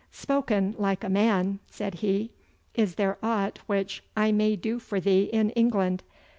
'Spoken like a man,' said he; 'is there aught which I may do for thee in England?